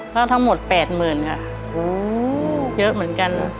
ก็ทั้งหมด๘๐๐๐ค่ะเยอะเหมือนกัน